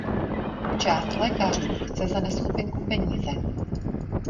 Část lékařů chce za neschopenku peníze.